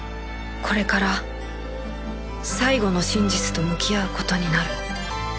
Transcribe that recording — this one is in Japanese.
これから最後の真実と向き合う事になる